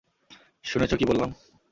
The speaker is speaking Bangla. শুনেছ কি বললাম?